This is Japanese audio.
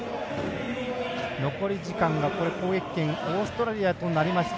残り時間、攻撃権オーストラリアとなりました。